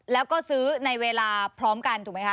แล้วก็ซื้อในเวลาพร้อมกันถูกไหมคะ